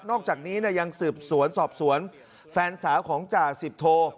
อกจากนี้ยังสืบสวนสอบสวนแฟนสาวของจ่าสิบโท